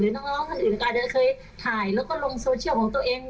หรือน้องน้องน้องนั่นนั่นอื่นอาจจะเคยถ่ายแล้วก็ลงโซเชียลของตัวเอง